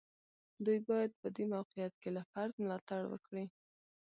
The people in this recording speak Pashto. دوی باید په دې موقعیت کې له فرد ملاتړ وکړي.